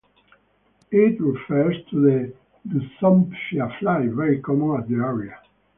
It refers to the Lutzomyia fly, very common at the area.